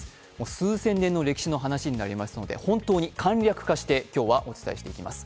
数千年の歴史の話になりますので本当に簡略化して今日はお伝えしていきます。